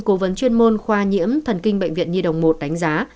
cố vấn chuyên môn khoa nhiễm thần kinh bệnh viện nhi đồng một đánh giá